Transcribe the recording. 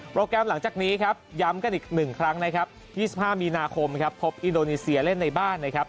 โปรแกรมหลังจากนี้ย้ำกันอีก๑ครั้ง๒๕มีนาคมพบอินโดนีเซียเล่นในบ้าน